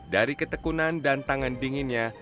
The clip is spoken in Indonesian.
dari ketekunan dan tangan dinginnya